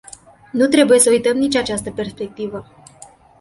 Nu trebuie să uităm nici această perspectivă.